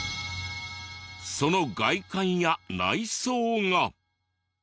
その外観や内装が。